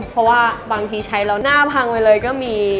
เพราะว่าบางทีใช้แล้วหน้าพังไปเลยก็มี